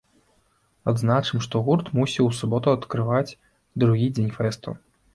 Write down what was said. Адзначым, што гурт мусіў у суботу адкрываць другі дзень фэсту.